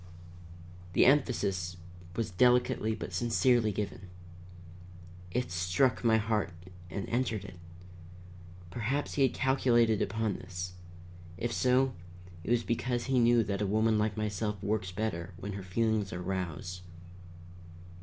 The emphasis was delicately but sincerely given. It struck my heart and entered it. Perhaps he had calculated upon this. If so, it was because he knew that a woman like myself works better when her feelings are roused.